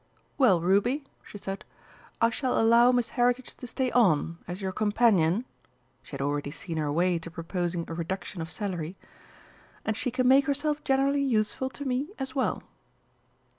"Well, Ruby," she said, "I shall allow Miss Heritage to stay on, as your companion" (she had already seen her way to proposing a reduction of salary), "and she can make herself generally useful to me as well."